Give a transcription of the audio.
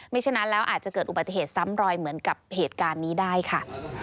ฉะนั้นแล้วอาจจะเกิดอุบัติเหตุซ้ำรอยเหมือนกับเหตุการณ์นี้ได้ค่ะ